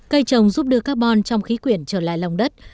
cây trồng giúp đưa carbon trong khí quyển trở lại lòng đất